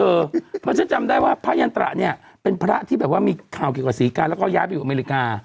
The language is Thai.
เพราะฉันจำได้ว่าพระยันตระเนี่ยเป็นพระที่แบบว่ามีข่าวเกี่ยวกับศรีกาแล้วก็ย้ายไปอยู่อเมริกา